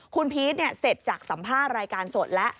คุณพีชเสร็จจากสัมภาษณ์รายการสดแล้ว